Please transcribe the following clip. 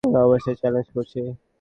অবশ্যই চ্যালেঞ্জ করছি।